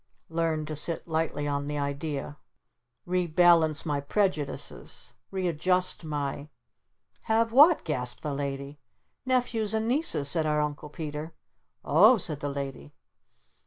Learned to sit lightly on the idea, re balance my prejudices, re adjust my " "Have what?" gasped the Lady. "Nephews and nieces," said our Uncle Peter. "O h," said the Lady.